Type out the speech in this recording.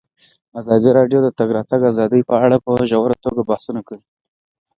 ازادي راډیو د د تګ راتګ ازادي په اړه په ژوره توګه بحثونه کړي.